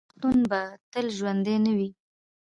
آیا پښتون به تل ژوندی نه وي؟